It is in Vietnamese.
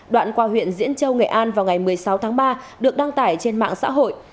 đoạn qua huyện diễn châu nghệ an vào ngày một mươi sáu tháng ba được đăng tải trên mạng xã hội